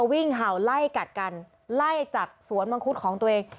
เห่าไล่กัดกันไล่จากสวนมังคุดของตัวเอง